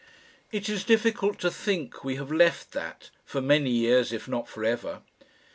It is difficult to think we have left that for many years if not for ever.